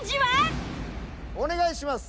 お願いします。